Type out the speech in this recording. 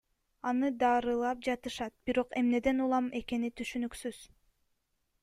Аны даарылап жатышат, бирок эмнеден улам экени түшүнүксүз.